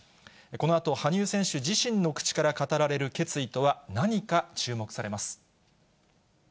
このあと、羽生選手自身の口から語られる決意とは何か、注目されます。